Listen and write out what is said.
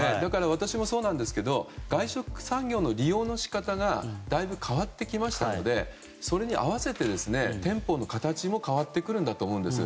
私もそうなんですが外食産業の利用の仕方がだいぶ変わってきましたのでそれに合わせて店舗の形も変わってくると思うんです。